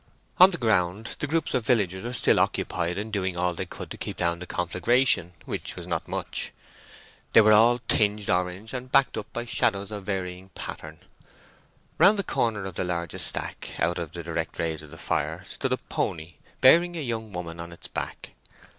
On the ground the groups of villagers were still occupied in doing all they could to keep down the conflagration, which was not much. They were all tinged orange, and backed up by shadows of varying pattern. Round the corner of the largest stack, out of the direct rays of the fire, stood a pony, bearing a young woman on its back.